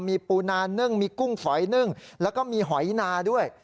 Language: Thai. มีปูนานึ่งมีกุ้งฝอยนึ่งแล้วก็มีหอยนาด้วย